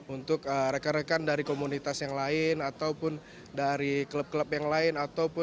untuk rekan rekan dari komunitas yang lain ataupun dari klub klub yang lain